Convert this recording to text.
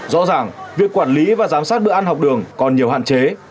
rõ ràng việc quản lý và giám sát bữa ăn học đường còn nhiều hạn chế